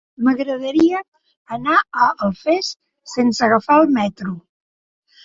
M'agradaria anar a Alfés sense agafar el metro.